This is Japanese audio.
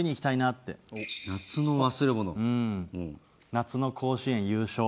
夏の甲子園優勝。